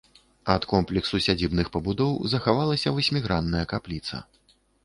Ад комплексу сядзібных пабудоў захавалася васьмігранная капліца.